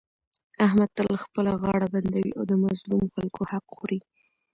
احمد تل خپله غاړه بندوي او د مظلومو خلکو حق خوري.